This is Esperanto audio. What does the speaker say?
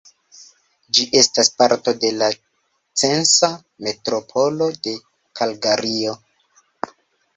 Ĝi estas parto de la Censa Metropolo de Kalgario.